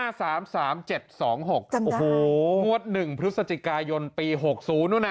จำได้โอ้โหงวดหนึ่งพฤศจิกายนปีหกศูนย์นู่นน่ะ